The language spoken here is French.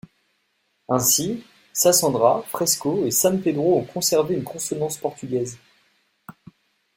Ainsi, Sassandra, Fresco et San Pédro ont conservé une consonance portugaise.